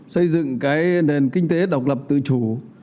xây dựng cái nền kinh tế độc lập tự chủ